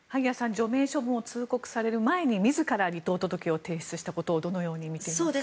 除名処分を通告される前に自ら離党届を提出したことをどのように見ていますか？